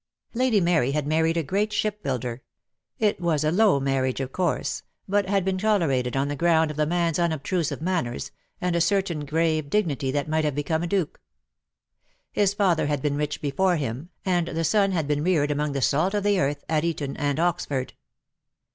Lady Mary had married a great shipbuilder. It PEAD LOVE HAS CHAINS, 5 I was a low marriage, of course, but had been tolerated on the ground of the man's unobtrusive manners, and a certain grave dignity that might have become a duke. His father had been rich before him, and the son had been reared among the sah of the earth, at Eton and Oxford.